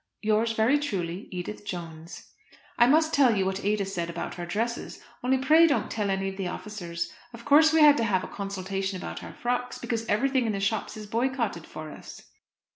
Yours very truly, EDITH JONES. I must tell you what Ada said about our dresses, only pray don't tell any of the officers. Of course we had to have a consultation about our frocks, because everything in the shops is boycotted for us.